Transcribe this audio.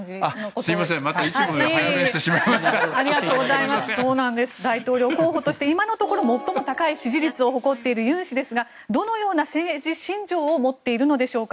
すいませんいつものように大統領候補として今のところ最も高い支持率を誇っているユン氏ですがどのような政治信条を持っているんでしょうか。